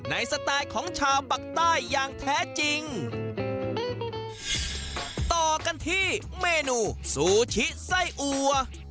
สไตล์ของชาวปักใต้อย่างแท้จริงต่อกันที่เมนูซูชิไส้อัว